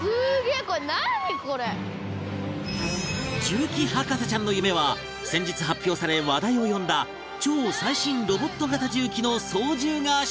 重機博士ちゃんの夢は先日発表され話題を呼んだ超最新ロボット型重機の操縦がしたい！